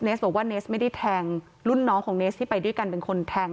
บอกว่าเนสไม่ได้แทงรุ่นน้องของเนสที่ไปด้วยกันเป็นคนแทง